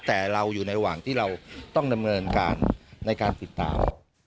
แต่เราอยู่ในระหว่างที่เราต้องดำเนินการในการติดตาม